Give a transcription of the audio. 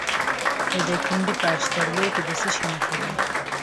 د دایکنډي په اشترلي کې د څه شي نښې دي؟